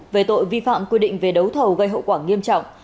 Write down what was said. về tội vi phạm quy định về đấu thầu gây hậu quả nghiêm trọng